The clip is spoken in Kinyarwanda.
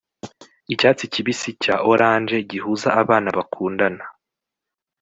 icyatsi kibisi cya orange gihuza, abana bakundana